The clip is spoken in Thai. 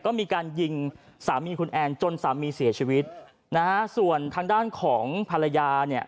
ก็มีการยิงสามีคุณแอนจนสามีเสียชีวิตนะฮะส่วนทางด้านของภรรยาเนี่ย